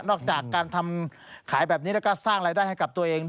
จากการทำขายแบบนี้แล้วก็สร้างรายได้ให้กับตัวเอง